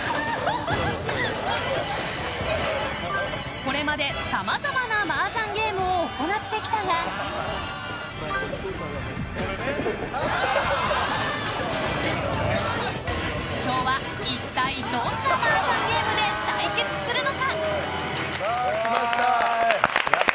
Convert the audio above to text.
これまでさまざまなマージャンゲームを行ってきたが今日は一体どんなマージャンゲームで対決するのか。